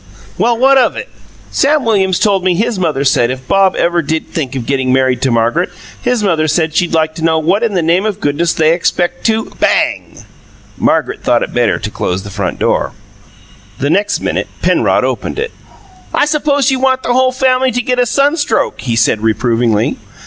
"Well, what of it? Sam Williams told me his mother said if Bob ever did think of getting married to Margaret, his mother said she'd like to know what in the name o' goodness they expect to " Bang! Margaret thought it better to close the front door. The next minute Penrod opened it. "I suppose you want the whole family to get a sunstroke," he said reprovingly.